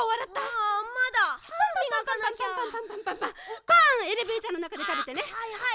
あはいはい。